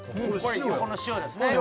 この塩ですね